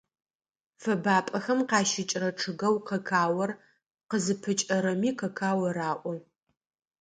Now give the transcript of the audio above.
Фэбапӏэхэм къащыкӏрэ чъыгэу какаор къызыпыкӏэрэми какао раӏо.